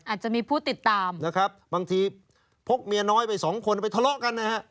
อาจจะมีผู้ติดตามนะครับบางทีพกเมียน้อยไปสองคนไปทะเลาะกันนะฮะ